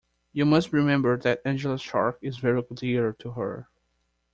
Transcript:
You must remember that Angela's shark is very dear to her.